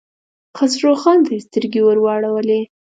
خسرو خان ته يې سترګې ور واړولې.